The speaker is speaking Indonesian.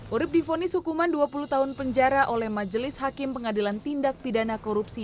urib difonis hukuman dua puluh tahun penjara oleh majelis hakim pengadilan tindak pidana korupsi